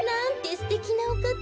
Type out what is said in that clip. すてきなおかた。